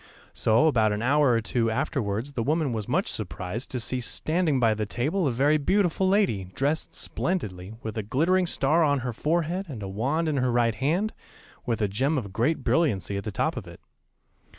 ] So about an hour or two afterwards the woman was much surprised to see standing by the table a very beautiful lady, dressed splendidly, with a glittering star on her forehead and a wand in her right hand, with a gem of great brilliancy at the top of it.